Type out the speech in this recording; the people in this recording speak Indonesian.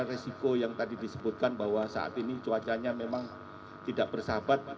resiko yang tadi disebutkan bahwa saat ini cuacanya memang tidak bersahabat